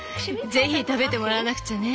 ぜひ食べてもらわなくちゃね。